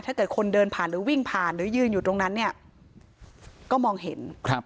ถ้าเกิดคนเดินผ่านหรือวิ่งผ่านหรือยืนอยู่ตรงนั้นเนี่ยก็มองเห็น